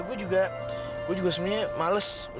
gue juga gue juga sebenarnya males